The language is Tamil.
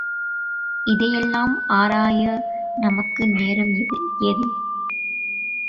இதையெல்லாம் ஆராய நமக்கு நேரம் ஏது?